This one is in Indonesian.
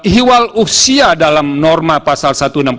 hiwal usia dalam norma pasal satu ratus enam puluh